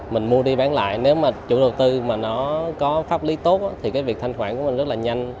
mình mua đi bán lại nếu mà chủ đầu tư mà nó có pháp lý tốt thì cái việc thanh khoản của mình rất là nhanh